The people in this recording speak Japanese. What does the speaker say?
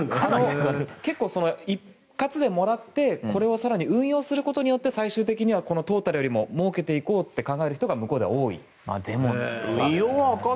一括でもらってこれを更に運用することによって最終的にはこのトータルよりもうけていこうと考える人が向こうでは多い。